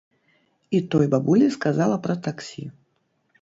І той бабулі сказала пра таксі.